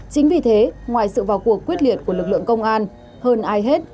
chính vì thế ngoài sự vào cuộc quyết liệt của lực lượng công an hơn ai hết